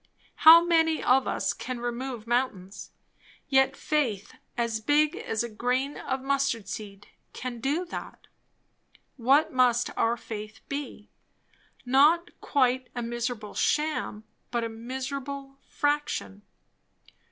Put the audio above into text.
How many of us can remove mountains? Yet faith as big as a grain of mustard seed can do that. What must our faith be? Not quite a miserable sham, but a miserable fraction.